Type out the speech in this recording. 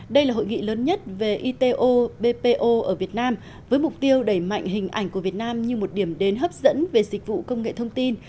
đây là hội nghị lớn nhất về ito bpo ở việt nam với mục tiêu đẩy mạnh hình ảnh của việt nam như một điểm đến hấp dẫn về dịch vụ công nghệ thông tin